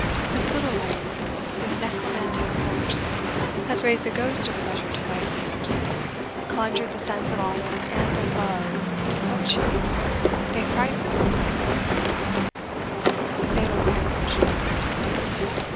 This little ring, with necromantic force, Has raised the ghost of pleasure to my fears, Conjured the sense of honour and of love Into such shapes, they fright me from myself. The Fatal Marriage.